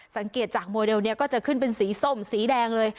สังเกตจากโมเดลเนี่ยก็จะขึ้นเป็นสีส้มสีแดงเลย